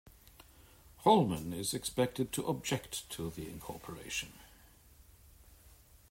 Holmen is expected to object to the incorporation.